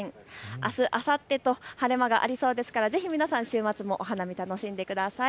あす、あさってと晴れ間がありそうですからぜひ皆さん、週末もお花見楽しんでください。